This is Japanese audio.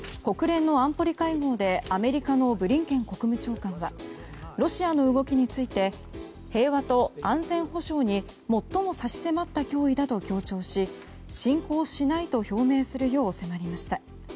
国連の安保理会合でアメリカのブリンケン国務長官はロシアの動きについて平和と安全保障に最も差し迫った脅威だと強調し、侵攻しないと表明するよう迫りました。